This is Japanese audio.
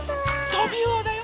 トビウオだよ！